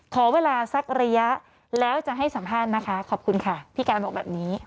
ขอเวลาสักระยะแล้วจะให้สัมภาษณ์นะคะขอบคุณค่ะพี่การบอกแบบนี้